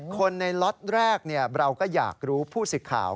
คนในล็อตแรกเราก็อยากรู้ผู้สิทธิ์ข่าว